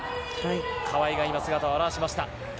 川井が今、姿を現しました。